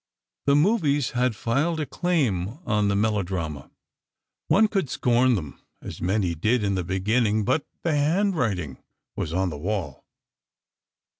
The "movies" had filed a claim on the melodrama. One could scorn them, as many did in the beginning, but the handwriting was on the wall.